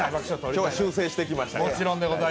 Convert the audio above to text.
今日は修正してきましたから。